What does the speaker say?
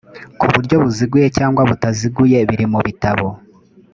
ku buryo buziguye cyangwa butaziguye biri mu bitabo